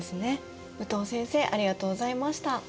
武藤先生ありがとうございました。